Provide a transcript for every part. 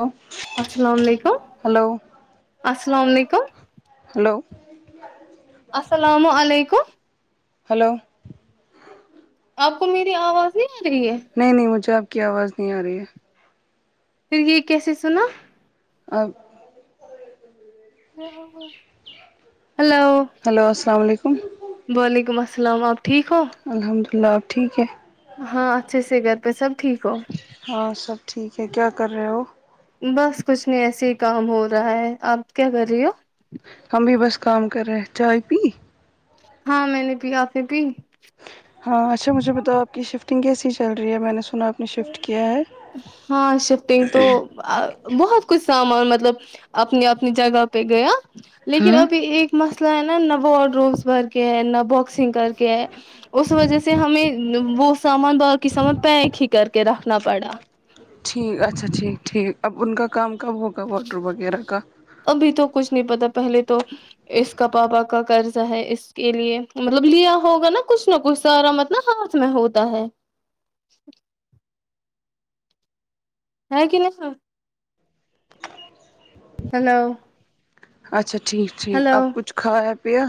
hello السلام علیکم hello السلام علیکم ہلو السلام علیکم ہلو آپ کو میری آواز نہیں آ رہی ہے نہیں نہیں مجھے آپ کی آواز نہیں آرہی ہے پھر یہ کیسے سنا اب [unintelligible] ہلو ہیلو السلام علیکم وعلیکم السلام آپ ٹھیک ہو الحمد للہ آپ ٹھیک ہے ہاں اچھے سے گھر پہ سب ٹھیک ہو ہاں سب ٹھیک ہے کیا کر رہے ہو بس کچھ نہیں ایسے ہی کام ہو رہا ہے آپ کیا کر رہی ہو ہم بھی بس کام کر رہے چائے پی ہاں میں نے پی آپ نے پی ہاں اچھا مجھے بتاؤ آپ کی شفٹنگ کیسی چل رہی ہے میں نے سنا نے شفٹ کیا ہے ہاں شفٹگ تو آں بہت کچھ سامان مطلب کہ اپنی اپنی جگہ پہ گیا لیکن ہوں ابھی ایک مسئلہ ہے نا نہ وارڈ رومس بھر کے ہے نہ باک سنگ کر کے ہے اس وجہ سے ہمیں وہ سامان باکی سامان پیک ہی کر کے رکھنا پڑا ٹھیک اچھا ٹھیک ٹھیک اب ان کا کام کب ہوگا واٹر وغیرہ کا ابھی تو کچھ نہیں پتا پہلے تو اس کا پاپا کا قرضہ ہے اس کے لیے مطلب لیا ہوگا نا کچھ نہ کچھ سارا مطلب ہات میں ہوتا ہے ہے کی نہیں سر ہیلو اچھا ٹھیک ٹھیک اب کچھ کھایا پیا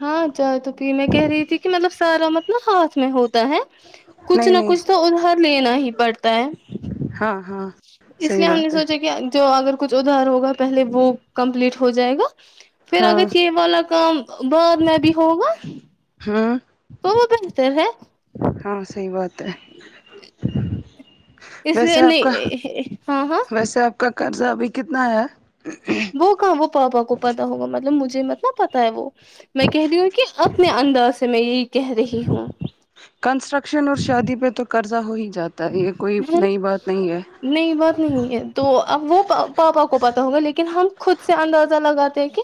ہاں چائے تو پی میں کہہ رہی تھی کہ مطلب سارا مت نا ہاتھ میں ہوتا ہے کچھ نہیں نہ نہیں کچھ تو ادھار لینا ہی پڑتا ہے ہاں ہاں اس صحیح لیے ہم نے بات ہے سوچا کہ جو اگر کچھ ادھار ہوگا پہلے وہ کمپلیٹ ہو جائے گا پھر ہاں اگر چہ یہ والا کام بعد میں بھی ہوگا ہوں تو وہ بہتر ہے ہاں صحیح بات ہے اس ویسے لیے آپ نہیں کا اے اے ہاں ہاں ویسے آپ کا قرضہ ابھی کتنا ہے وہ کہاں وہ پاپا کو پتا ہوگا مطلب مجھے مت نا پتا ہے وہ میں کہہ رہی ہوں کہ اپنے انداز سے میں یہی کہہ رہی ہوں کنسٹرکشن اور شادی پہ تو قرضہ ہو ہی جات تو یہ کوئی ہے نا نئی بات نہیں ہے نہیں بات نہیں ہے تو اب وہ پاپا کو پتا ہوگا لیکن ہم خود سے اندازہ لگاتے ہیں کہ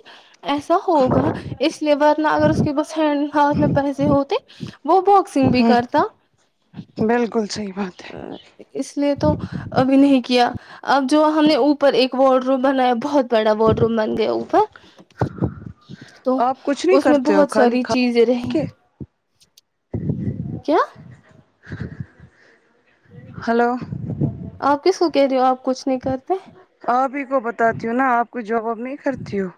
ایسا ہوگا اس لیے ورنہ اگر اس کے بس ہینڈ ہاتھ میں پیسے ہوتے وہ باکس ہو بالکل صحیح بات ہے آں اس لیے تو ابھی نہیں کیا اب جو ہم نے اوپر ایک وارڈ روم بنایا بہت بڑا وارڈ روم بن گیا اوپر تو آپ کچھ نہیں اس میں کرتے ہو بہت خالی ساری کھا چیزیں رہی کے کیا ہیلو آپ کس کو کہہ رہی ہو آپ کچھ نہیں کرتے آپ ہی کو بتاتی ہو نا آپ کو جاب واب نہیں کرتی ہو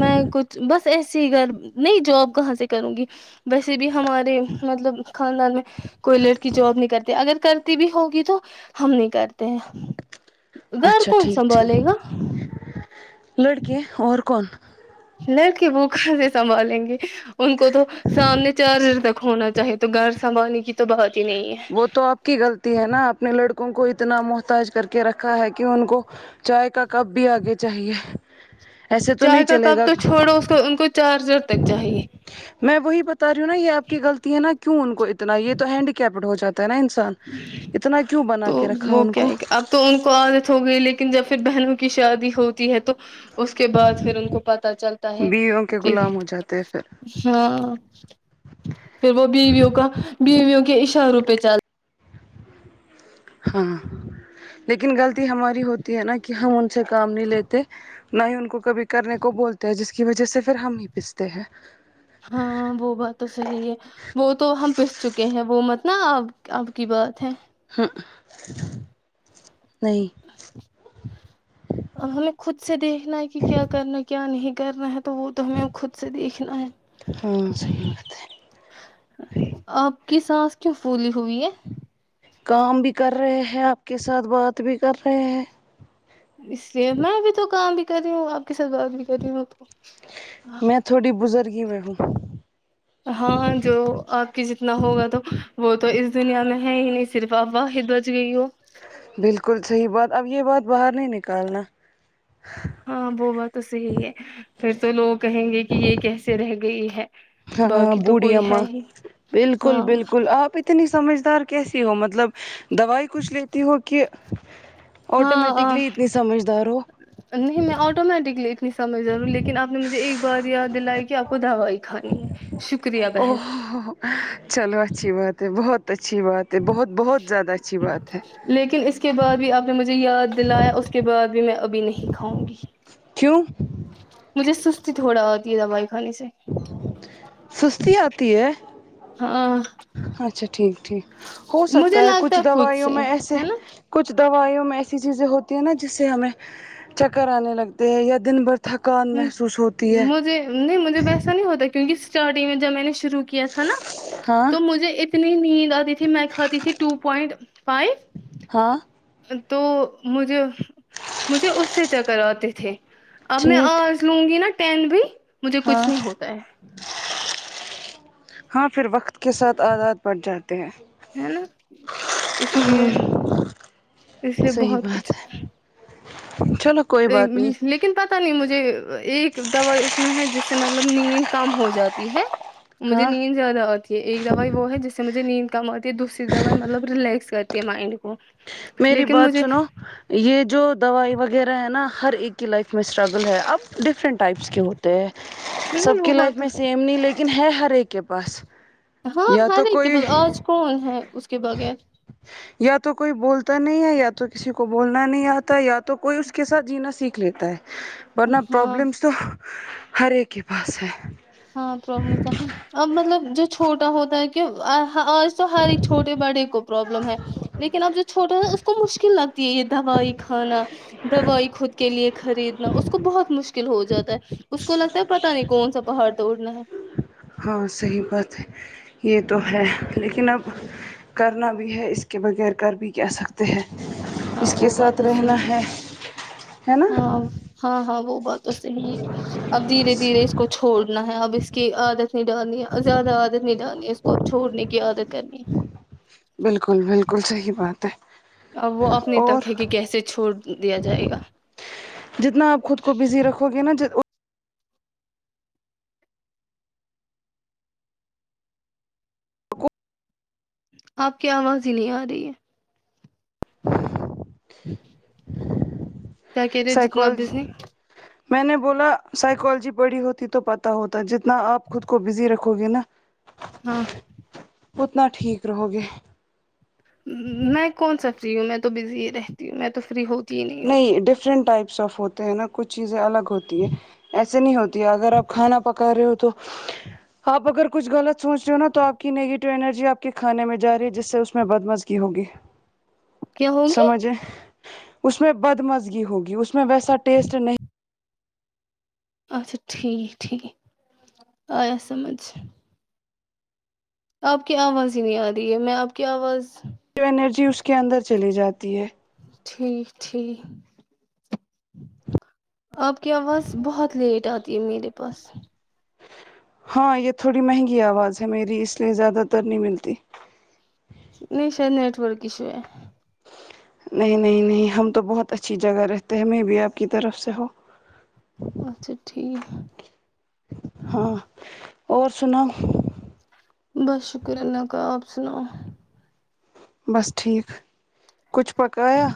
میں کچھ بس ایسی گھر نہیں جاب کہاں سے کروں گی ویسے بھی ہمارے مطلب خاندان میں کوئی لڑکی جاب نہیں کرتی اگر کرتی بھی ہوگی تو ہم نہیں کرتے ہیں گھر اچھا کون ٹھیک ٹھیک سنبھالے گا لڑکے اور کون لڑکے وہ کہ سے سنبھالیں گے ان کو تو سامنے چارج تک ہونا چاہیے تو گھر سنبھالنے کی تو بات ہی نہیں ہے وہ تو آپ کی غلطی ہے نا اپنے لڑکوں کو اتنا محتاج کر کے رکھا ہے کہ ان کو چائے کا کپ بھی آگے چاہیے ایسے تو چائے نہیں کا چلے کپ تو گا چھوڑو اس کو ان کو چارجر تک چاہیے میں وہی بتا رہی ہوں نا یہ آپ کی غلطی ہے نا کیوں ان کو اتنا یہ تو ہینڈی کیپڈ ہو جاتا ہے نا انسان اتنا کیوں بنا تو کے رکھا وہ ان کیا کو ہے اب تو ان کو عادت ہو گئی لیکن جب پھر بہن کی شادی ہوتی ہے تو اس کے بعد پھر ان کو پتہ چلتا ہے بیویوں کے کہ غلام ہو جاتے ہیں پھر ہاں پھر وہ بیویوں کا بیویوں کے اشاروں پہ چل ہاں لیکن غلطی ہماری ہوتی ہے نا کہ ہم ان سے کام نہیں لیتے نہ ہی ان کو کبھی کرنے کو بولتے ہیں جس کی وجہ سے پھر ہم پستے ہیں ہاں وه بات تو صحیح ہے وہ تو ہم پس چکے ہیں وہ مت نا آب اب کی بات ہے ہ نہیں اب ہمیں خود سے دیکھنا ہے کہ کیا کرنا ہے کیا نہیں کرنا ہے تو وہ تو ہمیں اب خود سے دیکھنا ہے ہاں صحیح بات ہے آپ کی سانس کیوں پھولی ہوئی ہے کام بھی کر رہے ہے آپ کے ساتھ بات بھی کر رہے ہے اس لیے میں بھی تو کام بھی کر رہی ہوں آپ کی ساتھ بات بھی کر رہی ہوں تو میں تھوڑی بزرگی میں ہوں ہاں جو آپ کے جتنا ہوگا تو وہ تو اس دنیا میں ہے ہی نہیں صرف آپ واحد بچ گئی ہو بالکل صحیح بات اب یہ بات باہر نہیں نکالنا ہاں وہ بات تو صحیح ہے پھر تو لوگ کہیں گے کہ یہ کیسے رہ گئی ہے ہاں باقی تو بوڑی کوئی ہے اماں ہی بالکل ہاں بالکل آپ اتنی سمجھدار کیسی ہو مطلب دوائی کچھ لیتی ہو کہ ہاں اں آٹومیٹکلی اتنی سمجھدار ہو نہیں میں آٹومیٹکلی سمجھدار ہوں لیکن آپ نے مجھے ایک بار یاد دلائی کہ آپ کو دوائی کھانی ہے شکریہ او بہن چلو اچھی بات ہے بہت اچھی بات ہے بہت بہت زیادہ اچھی بات ہے لیکن اس کے بعد بھی آپ نے مجھے یاد دلایا اس کے بعد بھی میں اب نہیں کھاؤں گی کیوں مجھے سستی تھوڑا آتی ہے دوائی کھانے سے سستی آتی ہے ہاں اچھا ٹھیک ٹھیک ہو مجھے سکتا ہے لگتا کچھ خود دوائیوں سے میں ایسے ہے نا کچھ دوائیوں میں ایسی چیزیں ہوتی ہیں نا جس سے ہمیں چکر آنے لگتے ہیں یا دن بھر تھکان ہمم محسوس ہوتی ہے مجھے نہیں مجھے ویسا نہیں ہوتا کیونکہ اسٹارٹنگ میں جب میں نے شروع کیا تھا نا ہاں تو مجھے اتنی نیند آتی تھی میں کھاتی تھی ٹو پوائنٹ فائ ہاں تو مجھے مجھے اس سے چکر آتے تھے اب میں ٹھیک آج لوں گی نا ٹین بھی مجھے ہاں کچھ نہیں ہوتا ہے ہاں پھر وقت کے ساتھ عا دات پڑجاتے ہیں ہے نا اس لیے اس لیے صحیح بہت بات ہے چلو کوئی ا م بات نہیں لکھ لیکن پتہ نہیں مجھے ایک دوائی اس میں ہے جس سے مطلب نین کم ہو جاتی ہے مجھے ہاں نیند زیادہ آتی یہ ایک دوائی وہ ہے جس سے مجھے نیند کم آتی ہے دوسری دوائی مطلب ریلیکس کرتی ہے مائنڈ کو میری لیکن بات مجھے سنو یہ جو دوائی وغیرہ ہے نا ہر ایک کی لائف میں اسٹرگل ہے اب ڈفرنٹ ٹائپس کے ہوتے ہیں ہے نا سب وہ کی لائف بات میں سیم نہیں لیکن ہے ہر ایک کے پاس ہاں یا ہار تو ایک کے کوئی پاس آج کون ہے اس کے بغیر یا تو کوئی بولتا نہیں ہے یا تو کسی کو بولنا نہیں آتا یا ت تو کوئی اس کے ساتھ جینا سیکھ لیتا ہے ورنہ ہاں پرابلمس تو ہر ایک کے پاس ہے ہاں پرا لمس تھا اب مطلب جو چھوٹا ہوتا ہے ا ہا آج تو ہر ایک چھوٹے بڑے کو پرابلم ہے لیکن اب جو چھوٹا ہے اس کو مشکل لگتی ہے یہ دوائی کھانا دوائی خود کے لیے خریدنا اس کو بہت مشکل مشکل ہو جاتا ہے اس کو لگتا ہے پتہ نہیں کون سا پہاڑ توڑنا ہے ہاں صحیح بات ہے یہ تو ہے لیکن اب کرنا بھی ہے اس کے بغیر کر بھی کیا سکتے تے ہیں ہاں اس کے وہ بات ساتھ تو رہنا صحیح ہے ہے نا ہاں ہاں ہاں وہ بہت تو صحیح ہے اب دھیرے دھیرے اس کو چھوڑنا ہے اب اس کی عادت نہیں ڈالنی ہے زیادہ عادت نہیں ڈالنی ہے اس کو اب چھوڑنے کی عادت کرنی بالکل بالکل صحیح بات ہے اب وہ اپنی اور تک ہے کہ کیسے چھوڑ دیا جائے گا جتنا آپ خود کو بزی رکھو گے نا ج ات آپ کی آواز ہی نہیں آ رہی ہے کیا کہہ رہے ہو جتنا بز سائیکالوجی ی میں نے بولا سائیکالوجی پڑھی ہوتی تو پتہ ہوتا جتنا آپ خود کو بزی رکھو کو گے نا ہاں اتنا ٹھیک رہو گے میں کون سا فری ہوں میں تو بزی ہی رہتی ہوں میں تو فری ہوت نہیں ڈفرنٹ ٹائپس آف ہوتے ہیں نا کچھ چیزیں الگ ہوتی ہے ایسے نہیں ہوتی ہے اگر آپ کھانا پکا رہے ہو تو آپ اگر کچھ غلط سوچ رہے ہو نا تو نگیٹو انرجی آپ کے کھانے میں جا رہی ہے جس سے اس میں بدمزگی ہوگی کیا ہوگی سماجھیں اس میں بدمزگی ہوگی اس میں ویسا ٹیسٹ نہیں اچھا ٹھیک ٹھیک آیا سمجھ آپ کی آواز ہی نہیں آ رہی ہے میں آپ کی آواز و انرجی اس کے اندر چلی جاتی ہے ٹھیک ٹھیک آپ کی آواز بہت لیٹ آتی ہے میرے پاس ہاں یہ تھوڑی مہنگی آواز ہے میری اس لیے زیادہ تر نہیں ملتی نہیں شاید نیٹ ورک ایشو ہے نہیں نہیں نہیں ہم تو بہت اچھی جگہ رہتے ہیں ہمیں بھی آپ کی طرف سے ہو اچھا ٹھیک ہاں اور سناؤ بس شکر ہے اللہ کا آپ سناؤ بس ٹھیک کچھ پکایا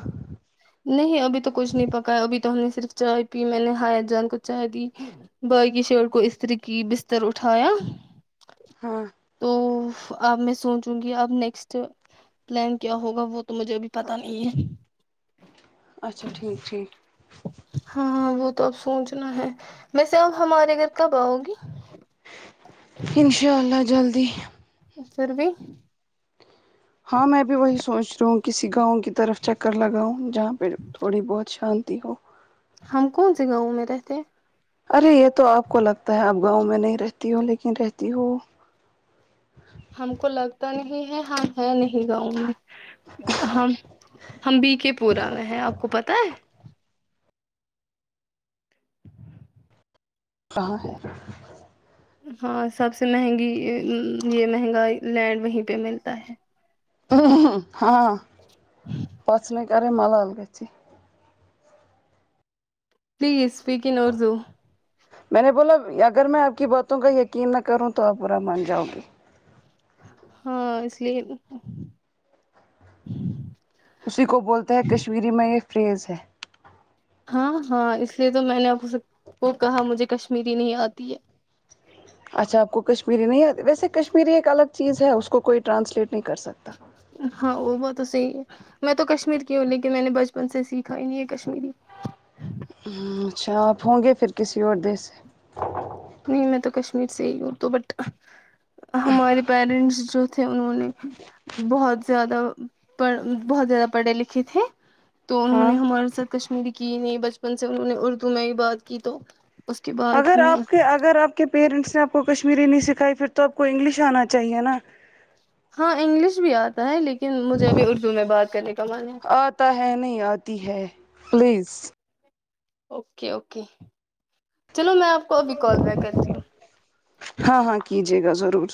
نہیں ابھی تو کچھ نہیں پکایا ابھی تو ہم نے صرف چائے پی میں نے حیا جان کو چائے دی بھائی کی شرٹ کو استری کی بستر اٹھایا ہاں تو اف اب میں سوچوں گی اب نیکسٹ پلان کیا ہوگا وہ تو مجھے ابھی پتا نہیں ہے اچھا ٹھیک ٹھیک ہاں وہ تو اب سوچنا ہے ویسے آپ ہمارے گھر کب آؤ گی پھر انشاء اللہ جلدی پھر بھی ہاں میں بھی وہی سوچ رہی ہوں کسی گاؤں کی طرف چکر لگاؤں جہاں پہ تھوڑی بہت شانتی ہو ہم کون سے گاؤں میں رہتے ارے یہ تو آپ کو لگتا ہے آپ گاؤں میں نہیں رہتی ہو لیکن رہتی ہو ہم کو لگتا نہیں ہے ہاں ہے نہیں گاؤں میں ہم ہم بی کے پورا میں ہیں آپ کو پتا ہے کہاں ہے ہاں سب سے مہنگی ا یہ مہنگا لینڈ وہیں پہ ملتا ہے اھھ ہاں بس [unintelligible] ماں باپ بھی اچھے پلیز اسپیک ان اردو میں نے بولا اگر میں آپ کی باتوں کا یقین نہ کروں تو آپ برا مان جاؤگی ہاں اس لیے اسی کو بولتے ہیں کشمیری میں یہ فریز ہے ہاں ہاں اس لیے تو میں نے آپ سب کو کہا مجھے کشمیری نہیں آتی ہے اچھا آپ کو کشمیری نہیں آتی ویسے کشمیری ایک الگ چیز ہے اس کو کوئی ٹرانسلیٹ نہیں کر سکتا ہاں وہ وہ تو صحیح ہے میں تو کشمیر کی ہوں لیکن میں نے بچپن سے سیکھا ہی نہیں ہے کشمیری ہوں اچھا آپ ہوں گے پھر کسی اور دیس سے نہیں میں تو کشمیر سے ہی ہو تو بٹ ہمارے پیرنٹس جو تھے انہوں نے بہت زیادہ پڑ بہت زیادہ پڑھے لکھے تھے تو انہوں ہاں نے ہمارے ساتھ کشمیری کی ہی نہیں بچپن سے انہوں نے اردو میں ہی بات کی تو اس کے بعد اگر ہمیں آپ کے اگر آپ کے پیرنٹس نے آپ کو کشمیری نہیں سکھائی پھر تو آپ کو انگلش آنا چاہیے نا ہاں انگلش بھی آتا ہے لیکن مجھے ابھی اردو میں بات کرنے کا من ہے آتا ہے نہیں آتی ہے پلیز اوکے اوکے چلو میں آپ کو ابھی کال بیک کرتی ہوں ہاں ہاں کیجے گا ضرور